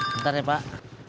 bentar ya pak